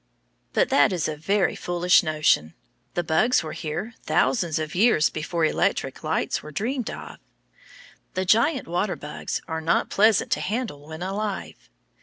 But that is a very foolish notion; the bugs were here thousands of years before electric lights were dreamed of. The giant water bugs are not pleasant to handle when alive.